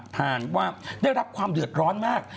ผ่านว่าได้รับความเดือดร้อนมาก